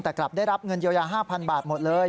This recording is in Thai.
แต่กลับได้รับเงินเยียวยา๕๐๐บาทหมดเลย